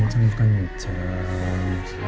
mas beneran kamu tidur